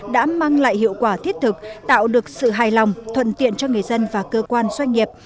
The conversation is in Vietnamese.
đã mang lại hiệu quả thiết thực tạo được sự hài lòng thuận tiện cho người dân và cơ quan doanh nghiệp